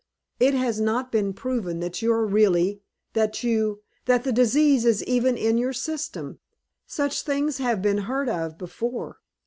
It has not been proven that you are really that you that the disease is even in your system. Such things have been heard of before.